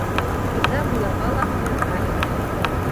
Риза булырға ла ҡуйырға ине.